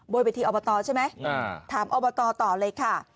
เวทีอบตใช่ไหมถามอบตต่อเลยค่ะ